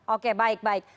oke baik baik